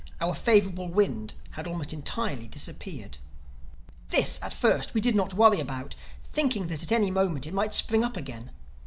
Our favorable wind had almost entirely disappeared. This, at first, we did not worry about, thinking that at any moment it might spring up again.